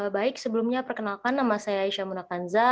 baik sebelumnya perkenalkan nama saya aisyah munakanza